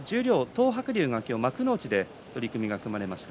東白龍が今日幕内で取組が組まれました。